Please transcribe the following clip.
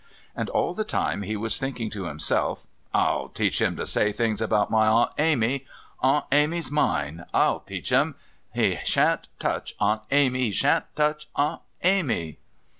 And all the time he was thinking to himself: "I'll teach him to say things about Aunt Amy! Aunt Amy's mine! I'll teach him! He shan't touch Aunt Amy! He shan't touch Aunt Amy!..."